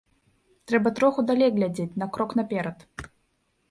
Трэба троху далей глядзець, на крок наперад.